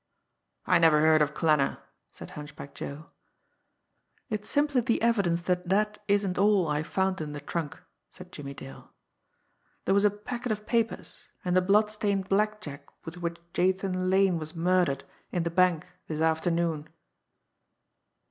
"I never heard of Klanner," said Hunchback Joe. "It's simply the evidence that that isn't all I found in the trunk," said Jimmie Dale. "There was a packet of papers, and the blood stained blackjack with which Jathan Lane was murdered in the bank this afternoon."